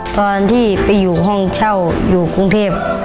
ตอนที่ไปอยู่ห้องเช่าอยู่กรุงเทพ